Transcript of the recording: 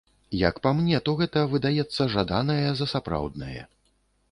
Як па мне, то гэта выдаецца жаданае за сапраўднае.